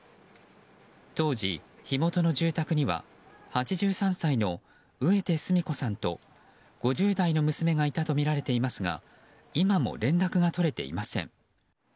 当時、火元の住宅には８３歳の植手純子さんと５０代の娘がいたとみられていますが今も連絡が取れていません。